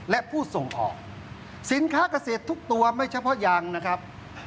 และผู้ส่งออกสินค้าเกษตรทุกตัวไม่เฉพาะยางนะครับ